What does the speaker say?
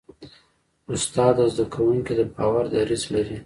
استاد د زده کوونکي د باور دریځ لري.